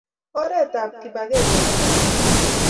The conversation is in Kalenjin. Oret ab kibakeng komakat